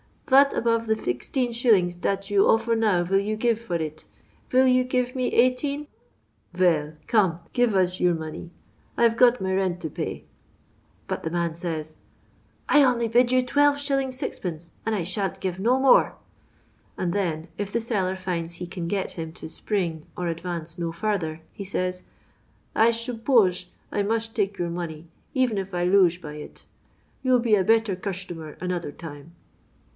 Vat above the 16s. dat yon ofifor now vill yon give for it 1 Vill you gifts m% eighteen 1 Yell, come, give ush your money, I 've got ma rent to pay." But the man says, " I only bid you 12«. id,, and I shan't give no man." And then, if the seller finds he can get him to spring" or advance no further, he says, " I shup posh I musht take your money even if I looah by it. Tou '11 be a better cushtomer anoder time."